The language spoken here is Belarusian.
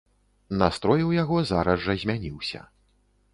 Настрой у яго зараз жа змяніўся.